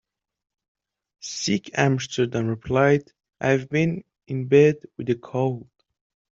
"Sick," Amsterdam replied, "I've been in bed with a cold.